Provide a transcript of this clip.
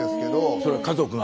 それは家族が？